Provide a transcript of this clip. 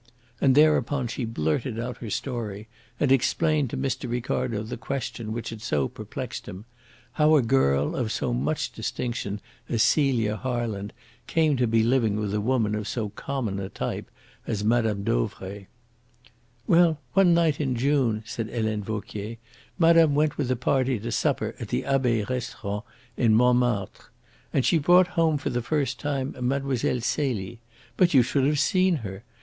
And thereupon she blurted out her story and explained to Mr. Ricardo the question which had so perplexed him: how a girl of so much distinction as Celia Harland came to be living with a woman of so common a type as Mme. Dauvray. "Well, one night in June," said Helene Vauquier, "madame went with a party to supper at the Abbaye Restaurant in Montmartre. And she brought home for the first time Mlle. Celie. But you should have seen her!